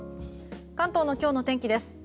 関東の今日の天気です。